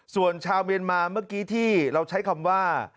ส่วนชาวเมียนมาเมื่อกี้ที่เราใช้คำว่า